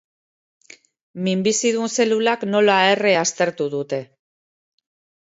Minbizidun zelulak nola erre aztertu dute.